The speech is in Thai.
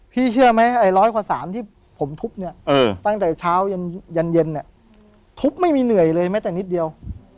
เชื่อไหมไอ้ร้อยกว่า๓ที่ผมทุบเนี่ยตั้งแต่เช้ายันเย็นเนี่ยทุบไม่มีเหนื่อยเลยแม้แต่นิดเดียว